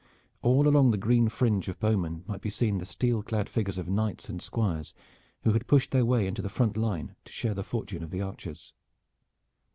All along the green fringe of bowmen might be seen the steel clad figures of knights and squires who had pushed their way into the front line to share the fortune of the archers.